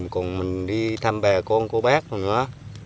còn mình đi thăm bà con cô bác rồi nữa